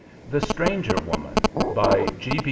THE STRANGER WOMAN By G.